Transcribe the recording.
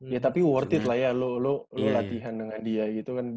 ya tapi worth it lah ya lo lo latihan dengan dia gitu kan